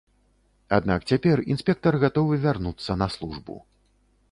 Аднак цяпер інспектар гатовы вярнуцца на службу.